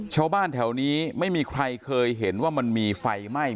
ชาวบ้านแถวนี้ไม่มีใครเคยเห็นว่ามันมีไฟไหม้